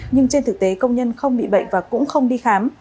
nhưng trên thực tế công nhân không bị bệnh và cũng không đi khám